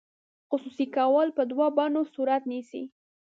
خصوصي کول په دوه بڼو صورت نیسي.